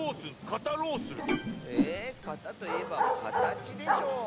「かた」といえばかたちでしょ。